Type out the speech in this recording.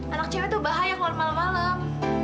anak cewek tuh bahaya kalau malam malam